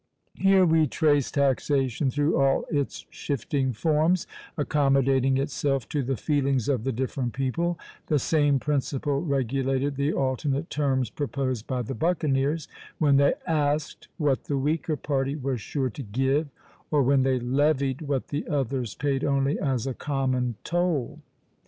" Here we trace taxation through all its shifting forms, accommodating itself to the feelings of the different people; the same principle regulated the alternate terms proposed by the buccaneers, when they asked what the weaker party was sure to give, or when they levied what the others paid only as a common toll.